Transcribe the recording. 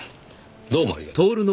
どうもありがとう。